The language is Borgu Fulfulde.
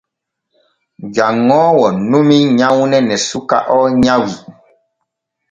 Janŋoowo numi nyawne ne suka o nyawi.